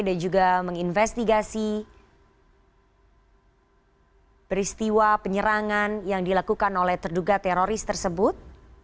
dan juga menginvestigasi peristiwa penyerangan yang dilakukan oleh terduga teroris tersebut